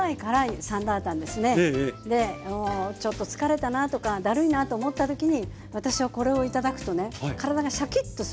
ちょっと疲れたなとかだるいなと思った時に私はこれを頂くとね体がシャキッとするんですよ。